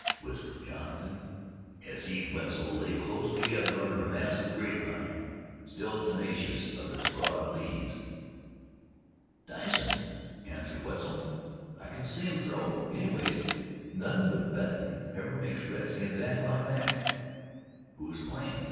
whispered Jonathan, as he and Wetzel lay close together under a mass of grapevine still tenacious of its broad leaves. "Dicin'," answered Wetzel. "I can see 'em throw; anyways, nothin' but bettin' ever makes redskins act like that." "Who's playin'?